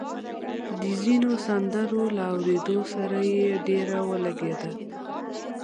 د ځينو سندرو له اورېدو سره يې ډېره ولګېده